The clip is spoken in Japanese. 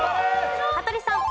羽鳥さん。